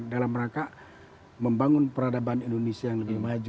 dalam rangka membangun peradaban indonesia